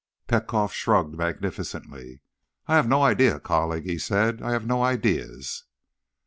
Petkoff shrugged magnificently. "I have no ideas, colleague," he said. "I have no ideas."